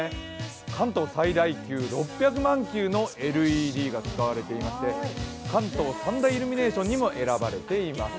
関東最大級６００万球のＬＥＤが使われていまして関東３大イルミネーションにも選ばれています。